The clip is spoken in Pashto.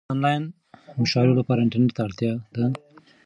ایا د انلاین مشاعرو لپاره انټرنیټ ته اړتیا ده؟